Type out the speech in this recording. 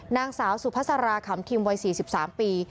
นางสาวสุภาษาราขำทิมวัย๔๓ปี